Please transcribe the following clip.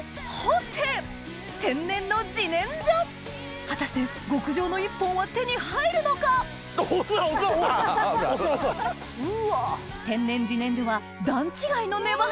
天然の自然薯果たして極上の一本は手に入るのか⁉天然自然薯は段違いの粘り！